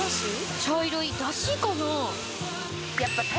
茶色い出汁かな？